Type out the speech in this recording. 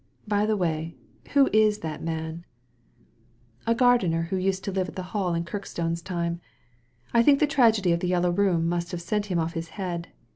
By the way, who is that man ?"" A gardener who used to live at the Hall in Kirk stone's time. I think the tragedy of the Yellow Room must have sent him off his head.